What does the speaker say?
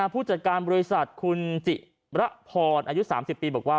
ผู้จัดการบริษัทคุณจิระพรอายุ๓๐ปีบอกว่า